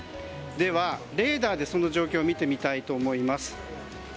では、レーダーでその状況を見てみたいと思います。